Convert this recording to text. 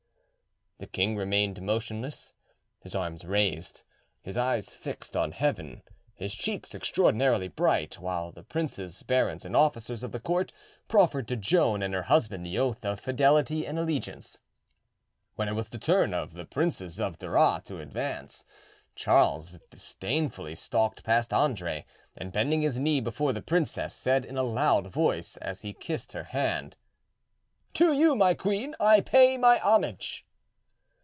The king remained motionless, his arms raised, his eyes fixed on heaven, his cheeks extraordinarily bright, while the princes, barons, and officers of the court proffered to Joan and her husband the oath of fidelity and allegiance. When it was the turn of the Princes of Duras to advance, Charles disdainfully stalked past Andre, and bending his knee before the princess, said in a loud voice, as he kissed her hand— "To you, my queen, I pay my homage."